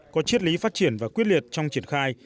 có triết lý phát triển và quyết liệt trong triển khai